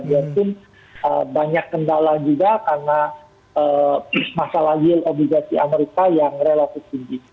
biarpun banyak kendala juga karena masalah yield obligasi amerika yang relatif tinggi